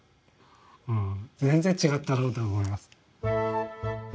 全然違ったろうと思います。